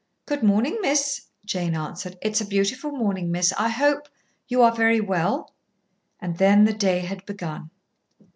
"Good morning, miss," Jane answered. "It's a beautiful morning, miss. I hope you are very well?" And then the day had begun.